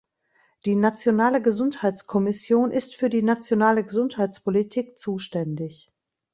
Die Nationale Gesundheitskommission ist für die nationale Gesundheitspolitik zuständig.